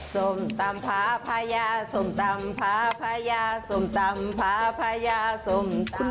ส้มตำพระพยาส้มตำพระพยาส้มตำพระพยาส้มตำ